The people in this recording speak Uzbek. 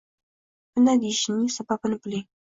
Bunday deyishimning sababini – biling.